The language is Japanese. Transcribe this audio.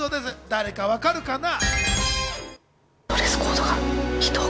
誰かわかるかな？